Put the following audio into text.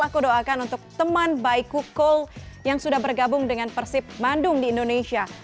aku doakan untuk teman baiku cole yang sudah bergabung dengan persib bandung di indonesia